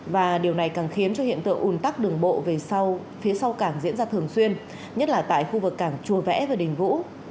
và điều này càng khiến cho hiện tượng ùn tắc đường bộ về sau phía sau cảng diễn ra thường xuyên nhất là tại khu vực cảng chùa vẽ và đình vũ